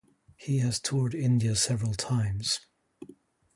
He has toured India several times.